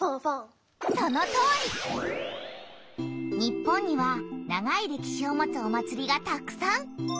日本には長いれきしを持つお祭りがたくさん！